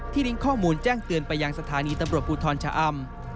ริ้งข้อมูลแจ้งเตือนไปยังสถานีตำรวจภูทรชะอำ